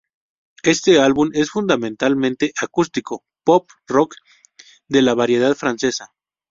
Este álbum es fundamentalmente acústico, pop rock de la variedad francesa.